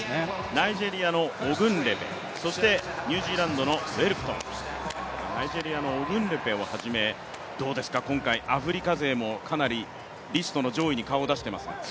ナイジェリアのオグンレベ、そしてニュージーランドのウェルプトン、ナイジェリアのオグンレベをはじめ、今回、アフリカ勢もリストの上位に顔を出していますね。